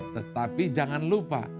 tetapi jangan lupa